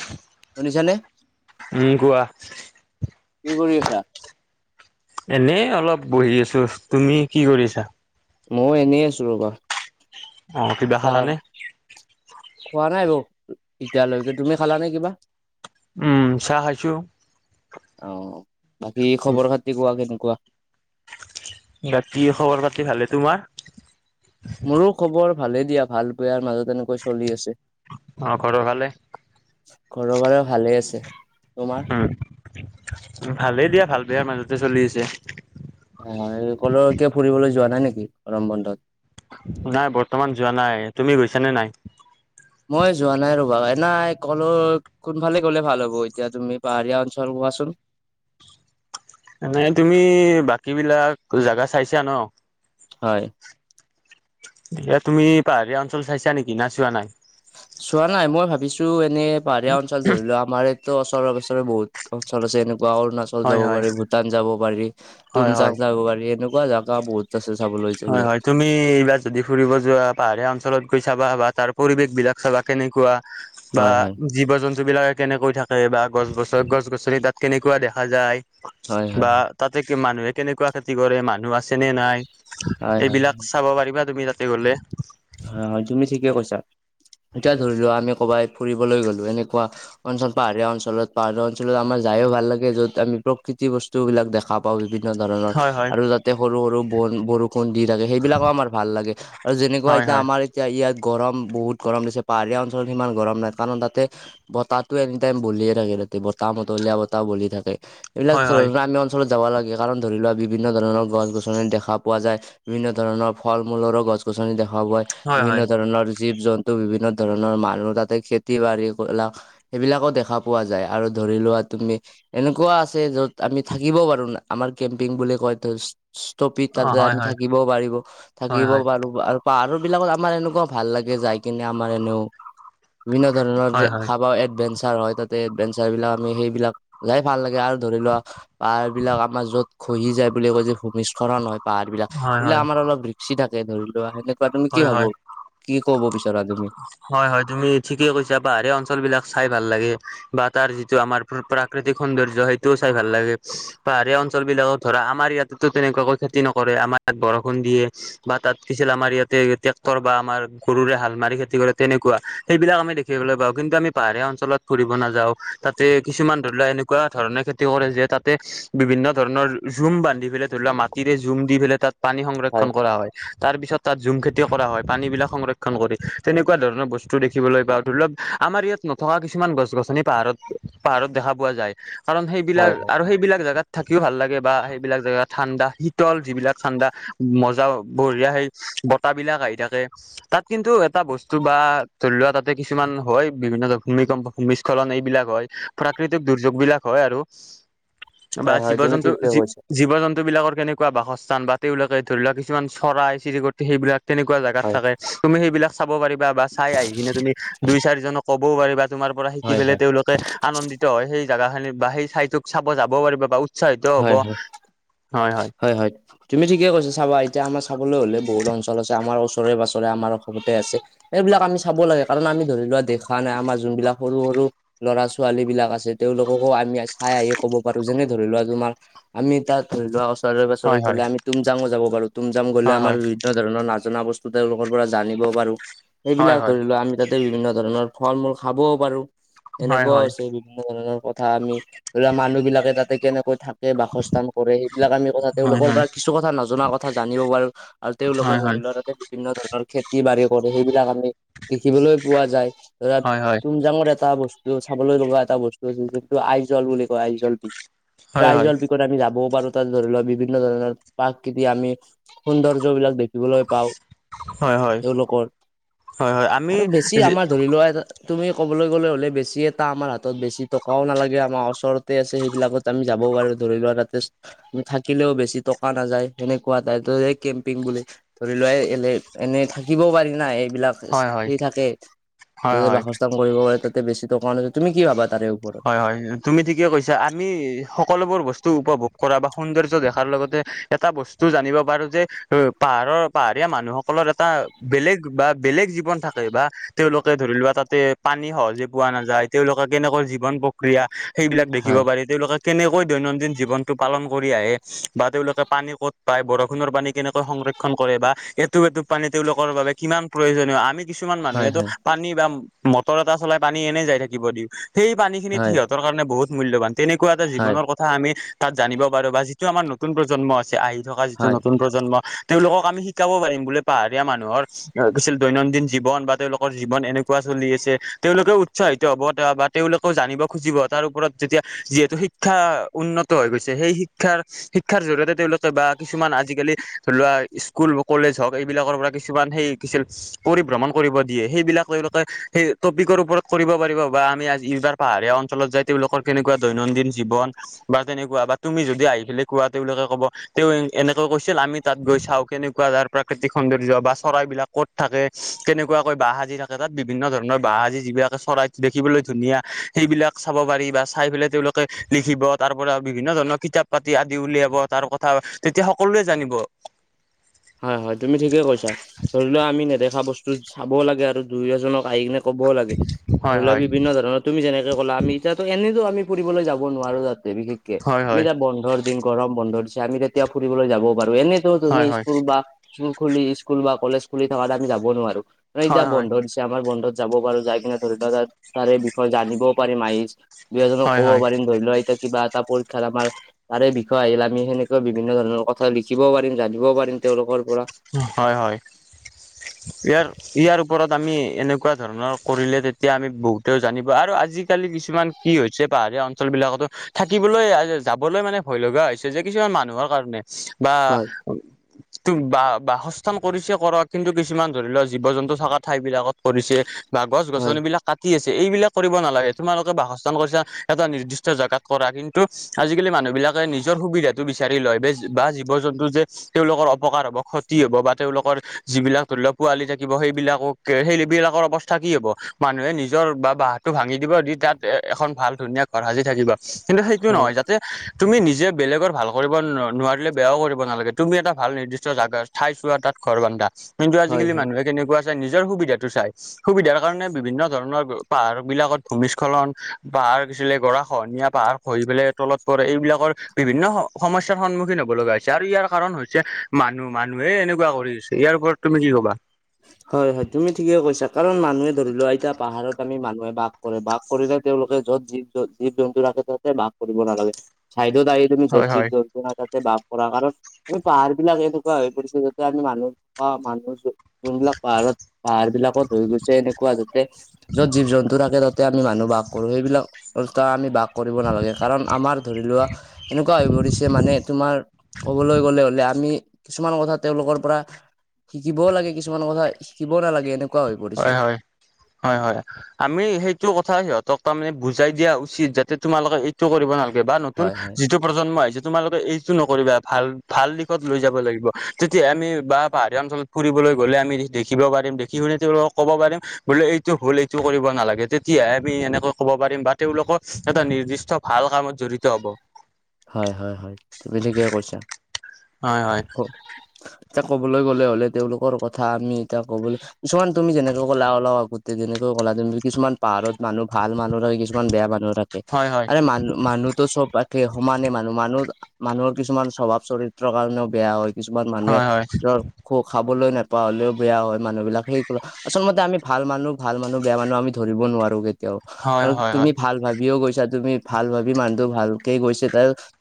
[unintelligible] শুনিছানে? উম কোৱা কি কৰি আছা? এনেই অলপ বহি আছো, তুমি কি কৰিছা? মই এনেই আছো ৰ'বা। অ', কিবা চাহ খালানে? খোৱা নাই বাৰু এতিয়ালৈকে, তুমি খালা নে কিবা? উম, চাহ খাইছো অ', বাকী খবৰ-খাতি কোৱা কেনেকুৱা? বাকী খবৰ খাতি ভালে, তোমাৰ? মোৰো খবৰ ভালে দিয়া, ভাল বেয়াৰ মাজত এনেকৈ চলি আছে। অ' ঘৰৰ ফালে ঘৰৰ ফালে ভালে আছে। তোমাৰ? উম, ভালেই দিয়া ভাল বেয়াৰ মাজতে চলি আছে। হয়-হয় কলৈকো ফুৰিবলৈ যোৱা নাই নেকি গৰম বন্ধত। নাই বৰ্তমান যোৱা নাই, তুমি গৈছা নে নাই? মই যোৱা নাই ৰবা নাই কলো কোনফালে গলে ভাল হ'ব এতিয়া তুমি পাহাৰীয়া অঞ্চল কোৱাচোন? এনেই তুমি বাকীবিলাক জেগা চাইছা ন? হয় এয়া তুমি পাহাৰীয়া অঞ্চল চাইছা নেকি নাই চোৱা নাই চোৱা নাই মই ভাবিছো এনে পাহাৰীয়া অঞ্চল ধৰি লোৱা আমাৰ এই ওচৰে পাজৰে বহুত অঞ্চল আছে এনেকুৱা অৰুণাচল হয় যাব হয় পাৰি ভূটান যাব পাৰি হয় তুমজাং হয় যাব পাৰি এনেকুৱা জাগা বহুত আছে চাবলৈ গলে হয়-হয়, তুমি তুমি এইবাৰ যদি ফুৰিব যোৱা পাহাৰীয়া অঞ্চলত গৈ চাবা বা তাৰ পৰিবেশ বিলাক চাবা কেনেকুৱা বা হয় হয় জীৱ-জন্তুবিলাকে কেনেকৈ থাকে বা গছ, গছ-গছনি তাত কেনেকুৱা দেখা যায়। হয় হয় বা হয় তাতে কি মানুহে কেনেকুৱা খেতি কৰে মানুহ আছে নে নাই হয় এইবিলাক হয় চাব পাৰিবা তুমি তাতে গ'লে। হয়-হয় তুমি ঠিকে কৈছা, এতিয়া ধৰিলোৱা আমি ক'ৰবাত ফুৰিবলৈ গলো এনেকুৱা অঞ্চল পাহাৰীয়া অঞ্চলত পাহাৰীয়া অঞ্চলত আমাৰ যায়ও ভাল লাগে য'ত আমি প্ৰকৃতি বস্তু বিলাক দেখা পাওঁ। বিভিন্ন ধৰণৰ হয় হয় আৰু যাতে সৰু সৰু ব ব বৰষুন দি থাকে সেইবিলাকও আমাৰ ভাল লাগে আৰু যেনেকুৱা হয় এতিয়া হয় আমাৰ এতিয়া ইয়াত গৰম বহুত গৰম দিছে পাহাৰীয়া অঞ্চলত সিমান গৰম নাই কাৰণ তাতে বতাহটো এনি টাইম বলিয়ে থাকে তাতে বতাহ মতলীয়া বতাহ বলি থাকে এইবিলাক হয় আমি অঞ্চলত যাব লাগে কাৰণ ধৰি লোৱা বিভিন্ন ধৰণৰ গছ গছনি দেখা পোৱা যায়। বিভিন্ন ধৰণৰ ফল মূলৰো গছ গছনি দেখা পায় হয় হয় বিভিন্ন হয় ধৰণৰ জীৱ জন্তু বিভিন্ন ধৰণৰ মানুহ তাতে খেতি বাৰি বিলাক, সেইবিলাকো দেখা পোৱা যায় আৰু ধৰি লোৱা তুমি এনেকুৱা আছে য'ত আমি থাকিব পাৰো আমাৰ কেম্পিং বুলি কয়। স্থপিত হয় তাতে আমি থাকিবও পাৰিব হয় হয় থাকিব হয় পাৰো আৰু পাহাৰ বিলাকত আমাৰ এনেকুৱা ভাল লাগে যাই কিনে আমাৰ এনেও বিভিন্ন ধৰণৰ হয় হয় খাবা এডভেঞ্চ হয় তাতে এডভেঞ্চাৰ বিলাক আমি সেইবিলাক যাই ভাল লাগে আৰু ধৰি লোৱা পাহাৰ বিলাক আমাৰ য'ত খহি যায় বুলি কয় যে ভূমিস্খৰণ হয় পাহাৰবিলাক হয় হয় এইবিলাক হয় আমাৰ অলপ ৰিক্সি থাকে ধৰি লোৱা সেনেক তুমি কি হয় ভাব কি ক'ব বিচাৰা তুমি? হয় হয় তুমি ঠিকেই কৈছা পাহাৰীয়া অঞ্চল বিলাক চাই ভাল লাগে। বা তাৰ যিটো আমাৰ প্ৰাকৃতিক সৌন্দৰ্য সেইটোও চাই ভাল লাগে পাহাৰীয়া অঞ্চল বিলাকত ধৰা আমাৰ ইয়াত তো তেনেকুৱাকৈ খেতি নকৰে আমাৰ ইয়াত বৰষুণ দিয়ে বা তাত কিছিল আমাৰ ইয়াত ট্ৰেক্টৰ বা আমাৰ গৰুৰে হাল মাৰি খেতি কৰে তেনেকুৱা সেইবিলাক আমি দেখিবলৈ পাওঁ কিন্তু আমি পাহাৰীয়া অঞ্চলত কৰিব নাযাও তাতে কিছুমান ধৰি লোৱা এনেকুৱা ধৰণে খেতি কৰে যে তাতে বিভিন্ন ধৰণৰ জুম বান্ধি ফেলে ধৰি লোৱা মাটিৰে জুম দি ফেলে তাত পানী সংৰক্ষন কৰা হয় তাৰ পিছত তাত ঝুম খেতি কৰা হয় পানী বিলাক সংৰক্ষণ কৰি তেনেকুৱা ধৰণৰ বস্তু দেখিবলৈ পাওঁ ধৰি লওক আমাৰ ইয়াত নথকা কিছুমান গছ- গছনি পাহাৰত -পাহাৰত দেখা পোৱা যায় কাৰণ সেইবিলাক হয় হয় আৰু সেইবিলাক জেগাত থাকিও ভাল লাগে বা সেইবিলাক জেগা ঠাণ্ডা শীতল যিবিলাক ঠাণ্ডা মজাও বঢ়িয়া সেই বতাহ বিলাক আহি থাকে তাত কিন্তু এটা বস্তু বা ধৰিলোৱা তাতে কিছুমান হয় বিভিন্ন ধ ভূমিকম্প ভূমিস্খলন এইবিলাক হয় প্ৰাকৃতিক দুৰ্যোগ বিলাক হয় আৰু বা হয় হয় তুমি জীৱ-জন্তু ঠিকে কৈছা - জীৱ-জন্তু বিলাকৰ কেনে কোৱা বাসস্থান বা তেওঁলোকে ধৰি লোৱা কিছুমান চৰাই -চিৰিকটি সেইবিলাক তেনেকুৱা জাগাত হয়। থাকে তুমি সেইবিলাক চাব পাৰিবা বা চাই আহি কিনে তুমি, দুই চাৰিজনক ক'বও পাৰিবা। তোমাৰ পৰা শিকি হয় ফেলে হয় তেওঁলোকে আনন্দিত হয় সেই জেগা খিনি বা সেই চাইটোক চাব যাবও পাৰিব বা উৎচাহিত হ'ব হয়- হয়। হয়-হয় তুমি ঠিকে কৈছা চাবা এতিয়া আমাৰ চাবলৈ হলে বহুত অঞ্চল আছে আমাৰ ওচৰে- পাছৰে আমাৰ অসমতে আছে। এইবিলাক আমি চাব লাগে কাৰণ আমি ধৰি লোৱা দেখা নাই আমাৰ যোনবিলাক সৰু- সৰু ল'ৰা- ছোৱালী বিলাক আছে তেওঁলোককো আমি চাই আহি ক'ব পাৰো যেনে ধৰি লোৱা তোমাৰ আমি তাত ধৰি লোৱা ওচৰে- পাচৰে হয় হয় গ'লে আমি তুমজাংও যাব পাৰো তুমজাং গ'লে হয় আমাৰ তেনে ধৰণৰ নাজানা বস্তু তেওঁলোকৰ পৰা জানিব পাৰো হয় সেইবিলাক হয় ধৰি লোৱা আমি যাতে বিভিন্ন ধৰণৰ ফল- মূল খাবওঁ পাৰো হয় এনেকুৱাওঁ হয় আছে বিভিন্ন ধৰণৰ কথা আমি ধৰি লোৱা মানুহ বিলাকে তাতে কেনেকৈ এ বাসস্থান কৰে সেইবিলাক আমি কথা হয় হয় তেওঁলোকৰ পৰা কিছু কথা নজনা কথা জানিব পাৰো আৰু তেওঁলোকে হয় ধৰি লোৱা তাতে বিভিন্ন ধৰণৰ খেতি বাৰী কৰে সেইবিলাক আমি দেখিবলৈ পোৱা যায় ধৰা হয় হয় হয় তুমজাঙৰ এটা বচ টো চাবলৈ লগা এটা বস্তু আছে যিটো আইজল বুলি কয় আইজল পিক। হয় ত' হয় হয় হয় আইজল পিকত আমি যাবও পাৰো তাত ধৰি লোৱা বিভিন্ন ধৰণৰ পাক কিবি আমি সৌন্দৰ্য বিলাক দেখিবলৈ পাওঁ হয় তেওঁলোকৰ হয় হয় আমি আৰু বেছি আমাৰ ধৰি লোৱা এটা তুমি ক'বলৈ গ'লে হ'লে বেছি এটা আমাৰ হাতত বেছি টকাও নালাগে আমাৰ অচৰতে আছে সেইবিলাকত তে আমি যাব পাৰো ধৰি লোৱা তাতে উম, থাকিলেও বেছি টকা নাযায় সেনেকুৱা তাই [unintelligible] কেম্পিং বুলি ধৰি লোৱা এ এলে এনে থাকিবও পাৰি না এইবিলাক হয় [unintelligible] হয় সেই থাকে হয় তাতে হয় বাসস্থান কৰিব পাৰে তাতে বেছি টকাও নাযায় তুমি কি ভাবা তাৰে ওপৰত? হয় হয় তুমি ঠিকে কৈছা আমি সকলোবোৰ বস্তু উপভোগ কৰা বা সৌন্দৰ্য দেখাৰ লগতে এটা বস্তু জানিব পাৰো যে পাহাৰৰ পাহাৰীয়া মানুহসকলৰ এটা বেলেগ বা বেলেগ জীৱন থাক বা তেওঁলোকে ধৰি লোৱা তাতে পানী সহজে পোৱা নাযায় তেওঁলোকে কেনেকৈ জীবন প্ৰক্ৰিয়া সেইবিলাক দেখিব হয় পাৰি তেওঁলোকে কেনেকৈ দৈনন্দিন জীৱনটো পালন কৰি আহে বা তেওঁলোকে পানী ক'ত পায় বৰষুণৰ পানী কেনেকৈ সংৰ ক্ষন কৰে বা এটোপ- এটোপ পানী তেওঁলোকৰ বাবে কিমান প্ৰয়োজনীয় আমি কিছুমান হয় মানুহেটো হয় পানী বা মটৰ এটা চলাই পানী এনেই যাই থাকিব দিওঁ সেই পানী খিনিত হয় সিহঁতৰ কাৰণে বহু মূল্যাবান তেনেকোৱা এটা হয় জীৱনৰ কথ কথা আমি তাত জানিব পাৰো বা যিটো আমাৰ নতুন প্ৰজন্ম আছে আহি থকা যিটো হয় নতুন প্ৰজন্ম তেওঁলোকক আমি শিকাব পাৰিম বোলে পাহাৰীয়া মানুহৰ কিছিল দৈনন্দিন জীৱন বা তেওঁলোকৰ জীৱন এনেকুৱা চলি আছে তেওঁলোকেওঁ উৎসাহিত হ'ব তেওঁ বা তেওঁলোকেওঁ জানিব খুজিব তাৰ ওপৰত যেতিয়া যিহেতু শিক্ষা উন্নত হৈ গৈছে সেই শিক্ষাৰ শিক্ষাৰ জৰি়য়তে তেওঁলোকে বা কিছুমান আজিকালি ধৰি লোৱা স্কুল, কলেজ হওঁক এইবিলাকৰ পৰা কি কিছুমান সেই শিকিছিল পৰিভ্ৰমণ কৰিব দিয়ে সেইবিলাক তেওঁলোকে সেই টপিকৰ ওপৰত কৰিব পাৰিব বা আমি আজ [unintelligible] পাহাৰীয়া অঞ্চলত যায় তেওঁলোকৰ কেনেকুৱা দৈনন্দিন জীৱন বা তেনেকুৱা বা তুমি যদি আহি ফেলে কোৱা তেওঁলোকে ক'ব তেওঁ এনেকৈ কৈছিল, আমি তাত গৈ চাওঁ কেনেকুৱা ধাৰ প্ৰাকৃতিক সৌন্দৰ্য বা চৰাই বিলাক ক'ত থাকে কেনেকুৱাকৈ বাহ সাজি থাকে তাত বিভিন্ন ধৰণৰ বাহ সাজি যিবিলাকে চৰাইত দেখিবলৈ ধুনীয়া সেইবিলাক চাব পাৰি বা চাই পেলাই তেওঁলোকে লিখিব তাৰ পৰা বিভিন্ন ধৰণৰ কিতাপ পাতি আদি উলিয়াব তাৰ কথা তেতিয়া সকলোৱে জানিব। হয় হয় তুমি ঠিকে কৈছা ধৰি লও আমি নেদেখা বস্তু চাব লাগে আৰু দুই এজনক আহিকিনে ক'বও লাগে হয় ধৰি লোৱা হয় বিভিন্ন ধৰণৰ তুমি যেনেকে ক'লা আমি এতিয়া এনেতো আমি ফুৰিবলৈ যাব নোৱাৰো তাত। দে বিশেষকে হয় আমি হয় এতিয়া বন্ধৰ দিন গৰম বন্ধ দিছে আমি তেতিয়া ফুৰিবলৈ যাব পাৰো এনেতো তুমি হয় হয় স্কুল বা স্কুল খুলি স্কুল বা কলেজ খুলি থকা আমি যাব নোৱাৰো, এতিয়া হয় হয় বন্ধ দিছ- যে আমাৰ বন্ধত যাব পাৰো যাই কিনে ধৰি লও তাৰে বিষয়ে জানিবও পাৰিম আহইচ দুয় এজনক হয় ক'ব হয় পাৰিম ধৰি লোৱা এতিয়া কিবা এটা পৰীক্ষাত আমাৰ তাৰে বিষয়ে আহিল আমি সেনেকুৱা বিভিন্ন ধৰণৰ কথা লিখিব পাৰিম, জানিবও পাৰিম তেওঁলোকৰ পৰা। হয় হয় ইয়াৰ ইয়াৰ ওপৰত আমি এনেকুৱা ধৰণৰ কৰিলে তেতিয়া আমি বহুতেও জানিব আৰু আজিকালি কিছুমান কি হৈছে পাহাৰীয়া অঞ্চল বিলাকতো থাকিবলৈ যাবলৈ মানে ভয় লগা হৈছে যে কিছুমান মানুহৰ কাৰণে বা হয় টো বা বাসস্থান কৰিছে কৰক কিন্তু কিছুমান ধৰি লও জীৱ-জন্তু থকা ঠাইবিলাকত কৰিছে। বা হয় গছ-গছনিবিলাক কাটি আছে এইবিলাক কৰিব নালাগে, তোমালোকে বাসস্থান কৰিছা এটা নিৰ্দিষ্ট জোগাত কৰা কিন্তু আজিকালি মানুহ বিলাকে নিজৰ সুবিধাটো বিচাৰি লয় বেজ বা জীৱ-জন্তু যে তেওঁলোকৰ অপকাৰ অবসত টি হ'ব বা তেওঁলোকৰ যিবিলাক ধৰি লওক পোৱালি থাকিব সেইবিলাকক সেই বিলাকৰ অৱস্থা কি হ'ব? মানুহে নিজৰ বা বাঁহটো ভাঙি দিব দি তাত এ এখন ভাল ধুনীয়া ঘৰ সাজি থাকিব। কিন্তু সেইটো হয় নহয় যাতে তুমি নিজে বেলেগৰ ভাল কৰিব ন নোৱাৰিলে বেয়াও কৰিব নালাগে তুমি এটা ভাল নিৰ্দিষ্ট জাগাৰ ঠাই চোৱা তাত ঘৰ বন্ধা, কিন্তু হয় আজিকালি হয়। মানুহে কেনেকুৱা চাই নিজৰ সুবিধাটো চাই। সুবিধাৰ কাৰণে বিভিন্ন ধৰণৰ পাহাৰ বিলাকত ভূমিস্খলন, পাহাৰ খিছিলে, গৰা খহনীয়া, পাহাৰ হৈ পেলাই তলত পৰে এইবিলাকৰ বিভিন্ন সমস্যাৰ সন্মুখীন হ'ব লগা হৈছে আৰু ইয়াৰ কাৰণ হৈছে মানুহ। মানুহে এনেকুৱা কৰিছে, ইয়াৰ ওপৰত তুমি কি কবা? হয় হয় তুমি ঠিকে কৈছা কাৰণ মানুহে ধৰি লোৱা এইতা পাহাৰত আমি মানুহে বাস কৰে বাস কৰিলে তেওঁলোকে য'ত জীৱ জীৱ জন্তু ৰাখে তাতে বাস কৰিব নালাগে চাইদত আহি তুমি জত হয় জি হয় ক তাতে বাস কৰা কাৰণ আমি পাহাৰ বিলাক এনেকুৱা হৈ পৰিছে যাতে আমি মানুহ অ মানুহ চু- যোনবিলাক পাহাৰত পাহাৰ বিলাকত হৈ গৈছে এনেকুৱা যাতে যত জীৱ জন্তু থাকে তাতে আমি মানুহ বাস কৰো সেইবিলাক আৰু তা আমি বাস কৰিব নালাগে কাৰণ আমাৰ ধৰি লোৱা এনেকুৱা হৈ পৰিছে মানে তোমাৰ ক'বলৈ গ'লে হলে আমি কিছুমান কথা তেওঁলোকৰ পৰা শিকিবও লাগে। কিছুমান কথা শিকিব নালাগে এনুক- হয় হয়। হয় হয় আমি সেইটো কথা সিহঁতক তাৰমানে বুজাই দিয়া উচিত যাতে তোমালোকে এই- টো কৰিব নালাগে বা নতুন হয় হয় যিটো প্ৰজন্ম আহিছে তোমালোকে এইটো নকৰিবা ভাল ভাল দিশত লৈ যাব লাগিব। তেতিয়া আমি বা পাহাৰীয়া অঞ্চল ফুৰিবলৈ গ'লে আমি দেখিব পাৰিম দেখি শুনি তেওঁলোকক ক'ব পাৰিম বোলে এইটো ভুল এইটো কৰিব নালাগে তেতিয়াহে আমি এনেকৈ ক'ব পাৰিম বা তেওঁলোকক এটা নিৰ্দিষ্ট ভাল কামত জড়িত হ'ব। হয় হয় হয় তুমি ঠিকে কৰিছা। হয় হয় এতিয়া ক'বলৈ গ'লে হ'লে তেওঁলোকৰ কথা আমি এতিয়া ক'বলৈ কিছুমান তুমি যেনেকৈ কলা অলপ আগতে যেনেকৈ কলা তুমি কিছুমান পাহাৰত মানুহ ভাল মানুহ থাকে কিছুমান বেয়া মানুহ থাক- কে। হয় হয় আৰে মানু মানুহটো চব পা- সমানে মানুহ মানুহ মানুহৰ কিছুমান স্বভাৱ চৰিত্ৰৰ কাৰণেও বেয়া হয় কিছুমান মানুহে। হয় হয় য'ৰ খো- খাবলৈ নাপা হলেও বেয়া হয় মানুহবিলাক, সেই আচলতে আমি ভাল মানুহ - ভাল মানুহ, বেয়া মানুহ আমি ধৰিব নোৱাৰোঁ কেতিয়াও। হয় আৰু হয় হয় তুমি ভাল ভাবিও গৈছা। তুমি ভাল ভাবি মানুহটো ভালকে গৈছে ত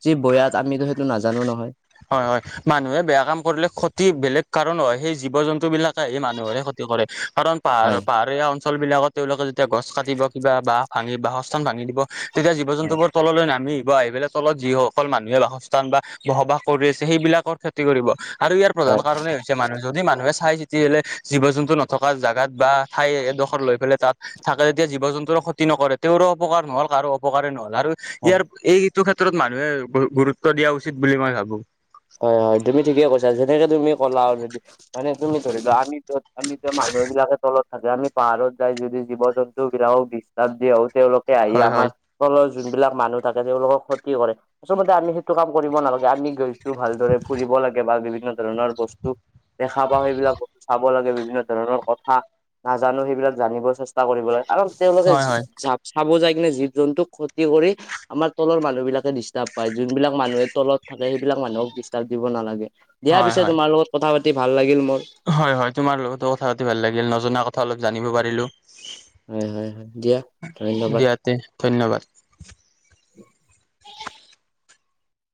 যি বয়াত আমিতো সেইটো নাজানো নহয়। হয় - হয়। মানুহে বেয়া কাম কৰিলে ক্ষতি বেলেগ কাৰণ হয়, সেই জীৱ-জন্তুবিলাক আহি মানুহৰে ক্ষতি কৰে। কাৰণ হয় পাহাৰ- পাহাৰীয়া অঞ্চলবিলাকত তেওঁলোকে যেতিয়া গছ কাটিব, কিবা বাহ ভাঙি বাসস্থান ভাঙি দিব তেতিয়া হয় জীৱ-জন্তুবোৰ তললৈ নামি আহিব। আহি পেলাই তলত যিসকল মানুহে বাসস্থান বা বসবাস কৰি আছে সেইবিলাকৰ ক্ষতি কৰিব। আৰু ইয়াৰ প্ৰধান হয় কাৰণে হৈছে মানুহ। যদি মানুহে চাই-চিতি হ'লে জীৱ-জন্তু নথকা জাগাত বা ঠাই এডোখৰ লৈ পেলাই তাত থাকে, তিয়া জীৱ-জন্তুৰো ক্ষতি নকৰে, তেওঁৰো অপকাৰ নহ'ল, কাৰো অপকাৰে নহ'ল আৰু হয় ইয়াৰ এইটো ক্ষেত্ৰত মানুহে গু- গুৰুত্ব দিয়া উচিত বুলি মই ভাবোঁ। অ' তুমি ঠিকে কৈছা। যেনেকে তুমি কলা মানে তুমি ধৰি লোৱা, আমি য'ত আমিতো মানুহবিলাকে তলত থাকে, আমি পাহাৰত যাই যদি জীৱ-জন্তু তু বিলাকক দিষ্টাৰ্ব দি আহোঁ, তেওঁলোকে আহি হয় হয় আমাৰ তলৰ যোনবিলাক মানুহ থাকে, তেওঁলোকক ক্ষতি কৰে। আচলতে আমি সেইটো কাম কৰিব নালাগে। আমি টো ভালদৰে পোহিব লাগে বা বিভিন্ন ধৰণৰ বস্তু দেখা পাওঁ সেইবিলাক বস্তু চাব লাগে, বিভিন্ন ধৰণৰ কথা নাজানো সেইবিলাক জানিব চেষ্টা কৰিব লাগে। কাৰণ তেওঁলোকে হয় হয় চাব যাইকিনে জীৱ-জন্তুক ক্ষতি কৰি আমাৰ তলৰ মানুহবিলাকে ডিষ্টাৰ্ব পায়, যোনবিলাক মানুহে তলত থাকে সেইবিলাক মানুহক দিষ্টাৰ্ব দিব নালাগে। দিয়া হয় পিছে, হয় তোমাৰ লগত কথা পাতি ভাল লাগিল মোৰ। হয় - হয়, তোমাৰ লগতো কথা পাতি ভাল লাগিল। নজনা কথা অলপ জানিব পাৰিলোঁ। হয় - হয় - হয়, দিয়া ধন্যবাদ। তে ধন্যবাদ।